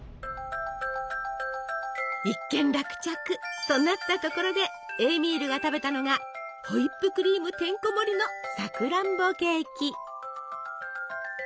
一件落着となったところでエーミールが食べたのがホイップクリームてんこもりのさくらんぼケーキ！